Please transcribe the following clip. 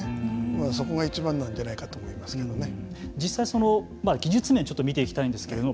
そこがいちばんなんじゃないかと実際技術面を見ていきたいんですけれども。